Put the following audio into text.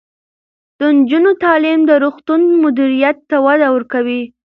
د نجونو تعلیم د روغتون مدیریت ته وده ورکوي.